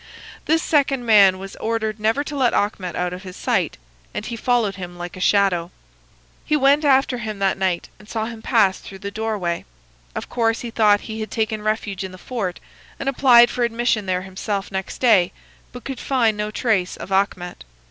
This second man was ordered never to let Achmet out of his sight, and he followed him like his shadow. He went after him that night and saw him pass through the doorway. Of course he thought he had taken refuge in the fort, and applied for admission there himself next day, but could find no trace of Achmet.